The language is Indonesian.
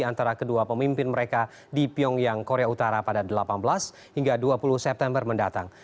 antara kedua pemimpin mereka di pyongyang korea utara pada delapan belas hingga dua puluh september mendatang